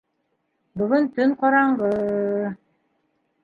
Бөгөн төн ҡараңғы...